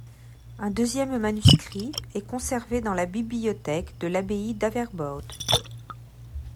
Un deuxième manuscrit est conservé dans la bibliothèque de l'abbaye d'Averbode.